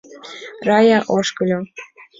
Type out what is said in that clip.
Рая ошкыльо.